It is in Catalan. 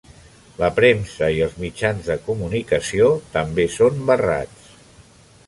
La premsa i els mitjans de comunicació també són barrats.